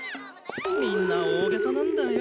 みんな大げさなんだよ。